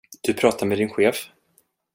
Du pratar med din chef.